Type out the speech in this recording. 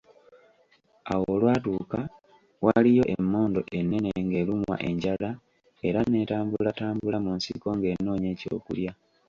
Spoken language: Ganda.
Awo olwatuuka, waliyo emmondo ennene ng'erumwa enjala, era n'etambula tambula mu nsiko ng'enoonya eky'okulya.